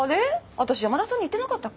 私山田さんに言ってなかったっけ？